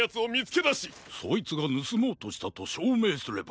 そいつがぬすもうとしたとしょうめいすれば。